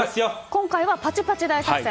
今回はパチパチ大作戦？